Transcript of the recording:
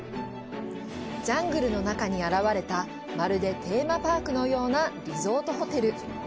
ジャングルの中に現れた、まるでテーマパークのようなリゾートホテル。